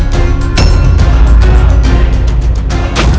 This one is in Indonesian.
kami membawa orang ini